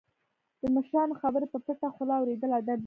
د مشرانو خبرې په پټه خوله اوریدل ادب دی.